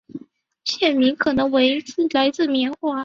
县名可能来自棉花。